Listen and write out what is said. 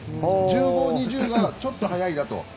１５、２０がちょっと早いかと。